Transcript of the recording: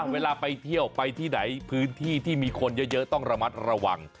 เวลาไปเที่ยวไปที่ไหนพื้นที่ที่มีคนเยอะต้องระมัดระวัง